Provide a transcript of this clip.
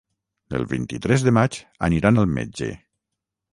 El vint-i-tres de maig aniran al metge.